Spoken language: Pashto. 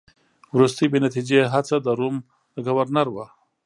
وروستۍ بې نتیجې هڅه د روم د ګورنر وه.